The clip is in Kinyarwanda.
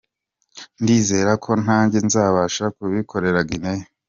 Ndizera ko nanjye nzabasha kubikorera Guinée.